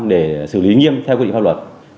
để xử lý nghiêm theo quy định pháp luật